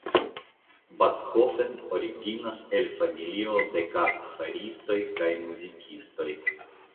Backofen originas el familio de kartfaristoj kaj muzikistoj.